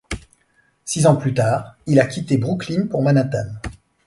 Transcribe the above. Six ans plus tard, il a quitté Brooklyn pour Manhattan.